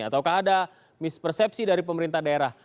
ataukah ada mispersepsi dari pemerintah daerah